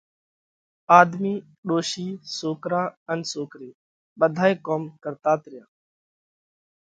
آۮمِي، ڏوشي، سوڪرا ان سوڪري ٻڌائي ڪوم ڪرتات ريا۔